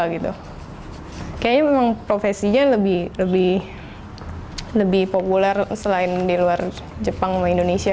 kayaknya memang profesinya lebih populer selain di luar jepang sama indonesia